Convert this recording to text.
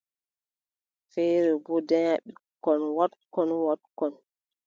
Feere boo danya ɓikkon wooɗkon, wooɗkon.